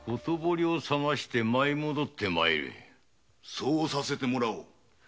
そうさせてもらおう。